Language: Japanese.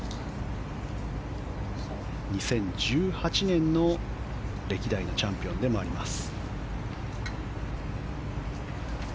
２０１８年の、歴代のチャンピオンでもあります。